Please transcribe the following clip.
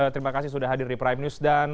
terima kasih sudah hadir di prime news